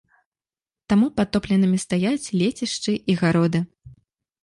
Таму падтопленымі стаяць лецішчы і гароды.